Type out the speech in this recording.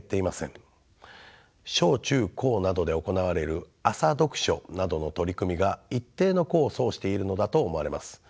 小中高などで行われる朝読書などの取り組みが一定の功を奏しているのだと思われます。